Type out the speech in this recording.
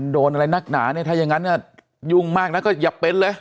โดนอะไรนักหนาเนี่ยถ้าอย่างนั้นเนี่ยยุ่งมากนะก็อย่าเป็นเลย